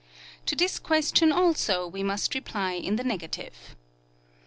To this question also we must reply in the negative.